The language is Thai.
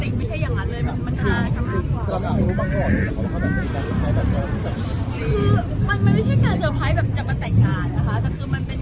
มันไม่ใช่แบบจะมาแต่งการนะคะแต่คือมันเป็น